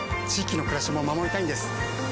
域の暮らしも守りたいんです。